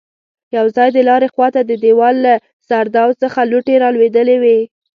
يو ځای د لارې خواته د دېوال له سرداو څخه لوټې رالوېدلې وې.